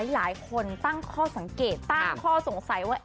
หลายคนตั้งข้อสังเกตตั้งข้อสงสัยว่า